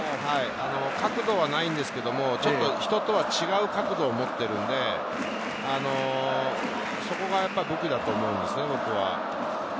角度はないんですけれど、ちょっと人とは違う角度を持っているので、そこが武器だと思うんですね、僕は。